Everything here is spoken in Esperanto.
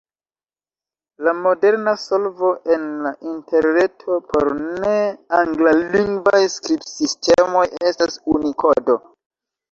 La moderna solvo en la Interreto por ne-anglalingvaj skribsistemoj estas Unikodo.